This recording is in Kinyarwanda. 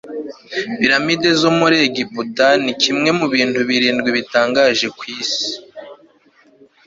piramide zo muri egiputa ni kimwe mu bintu birindwi bitangaje ku isi